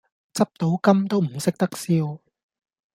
執到金都唔識得笑